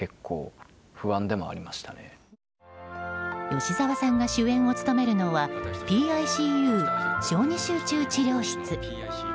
吉沢さんが主演を務めるのは「ＰＩＣＵ小児集中治療室」。